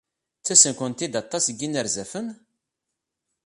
Ttasen-kent-id aṭas n yinerzafen?